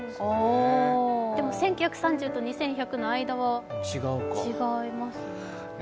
でも、１９３０と２２３０の間は違いますね。